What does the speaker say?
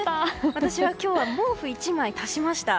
私は今日は毛布１枚足しました。